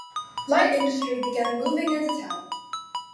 Light industry began moving into town.